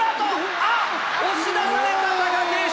あっ、押し出された、貴景勝。